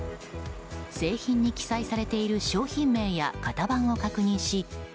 製品に記載されている商品名や型番を確認し